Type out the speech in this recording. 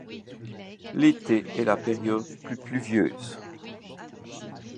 L'été est la période plus pluvieuse.